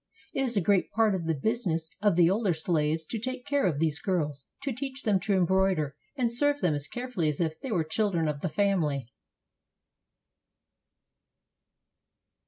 It is a great part of the business of the older slaves to take care of these girls, to teach them to embroider, and serve them as carefully as if they were children of the family.